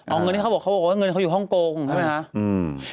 เอาเงินที่เขาบอกว่าเงินเขาอยู่ฮ่องกงใช่ไหมคะ